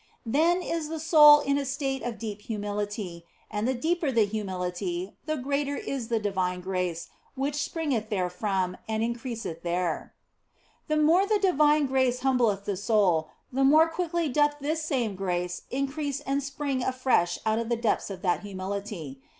Then is the soul in a state of deep humility, and the deeper the humility the greater is the divine grace which springeth therefrom and in creaseth there. The more the divine grace humbleth the soul, the more quickly doth this same grace increase and spring afresh out of the depths of that humility.